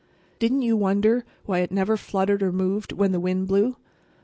Didn't you wonder why it never fluttered or moved when the wind blew?